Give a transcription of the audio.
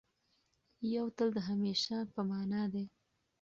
یو تل د همېشه په مانا دی.